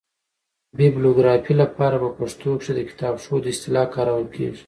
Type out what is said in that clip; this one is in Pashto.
بیبلوګرافي له پاره په پښتو کښي دکتابښود اصطلاح کارول کیږي.